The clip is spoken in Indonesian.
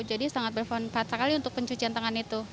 jadi sangat berfungsi sekali untuk pencucian tangan itu